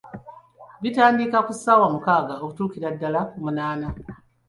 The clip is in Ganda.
Bitandika ku ssaawa mukaaga okutuukira ddala ku munaana.